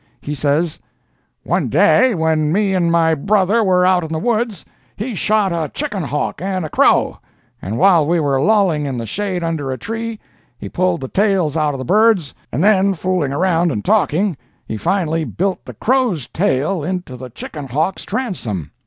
He says: "One day when me and my brother were out in the woods, he shot a chicken hawk and a crow, and while we were lolling in the shade under a tree, he pulled the tails out of the birds and then fooling around and talking, he finally built the crow's tail into the chicken hawk's transom.